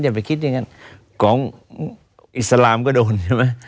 ครอบคุณอิสรามก็โดนใช่ไหม